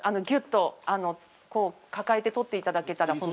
ぎゅっと、こう抱えて取っていただけたら。